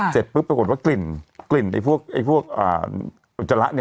เสร็จปุ๊บปรากฏว่ากลิ่นกลิ่นไอ้พวกอุจจาระเนี่ย